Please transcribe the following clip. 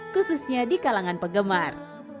khususnya di kalangan penggemar